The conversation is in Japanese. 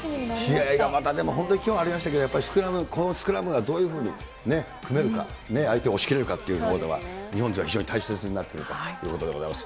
気合いがまた、本当にきょうもありましたけど、スクラム、このスクラムがどういうふうに組めるか、相手を押し切れるかというところが、日本勢は非常に大切になってくるかと思います。